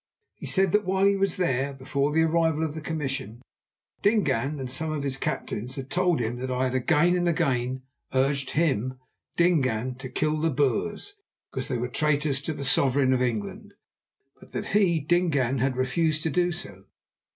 He said that while he was there, before the arrival of the commission, Dingaan and some of his captains had told him that I had again and again urged him, Dingaan, to kill the Boers because they were traitors to the sovereign of England, but that he, Dingaan, had refused to do so.